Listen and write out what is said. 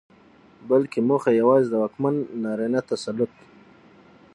بلکې موخه يواځې د واکمن نارينه تسلط